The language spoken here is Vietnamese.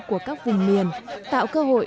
của các vùng miền tạo cơ hội